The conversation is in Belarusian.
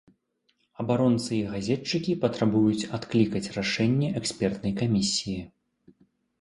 Абаронцы і газетчыкі патрабуюць адклікаць рашэнне экспертнай камісіі.